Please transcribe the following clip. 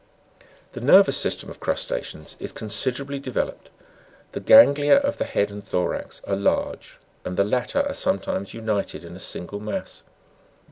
5. The nervous system of crusta'ceans is considerably develop ed : the ganglia of the head and thorax are large, and the latter are sometimes united in a single mass.